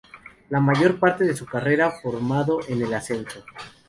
La mayor parte de su carrera, formado en el Ascenso.